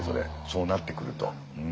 そうなってくると。